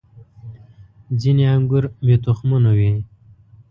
• ځینې انګور بې تخمونو وي.